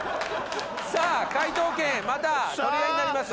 さあ解答権また取り合いになります。